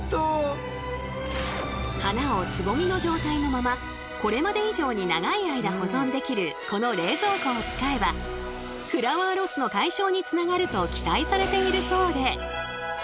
花をつぼみの状態のままこれまで以上に長い間保存できるこの冷蔵庫を使えばフラワーロスの解消につながると期待されているそうで。